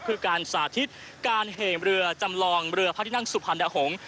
คือการสาธิตการเหมเรือจำลองเรือพระที่นั่งสุพรรณหงษ์